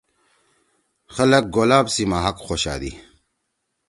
خلگ گلاب سی مہاک خوشادی۔